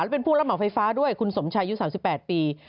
แล้วเป็นผู้รับเหมาไฟฟ้าด้วยคุณสมชายยุทธ์๓๘ปี